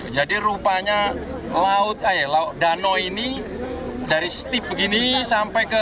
jadi rupanya danau ini dari steep begini sampai ke